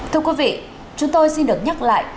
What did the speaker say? thưa quý vị chúng tôi xin được nhắc lại